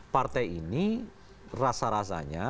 partai ini rasa rasanya